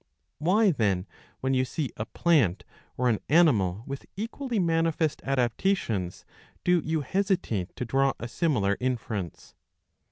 Why, then, when you see a plant or an animal with equally manifest adaptations, do you hesitate to draw a similar inference